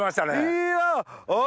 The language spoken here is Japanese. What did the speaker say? いや。